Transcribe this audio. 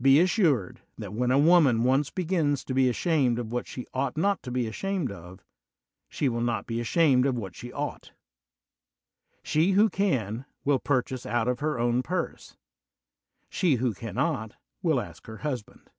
Be assured that when a woman once begins to be ashamed of what she ought not to be ashamed of, she will not be ashamed of what she ought. She who can, will purchase out of her own purse ; she who cannot, will ask her husband.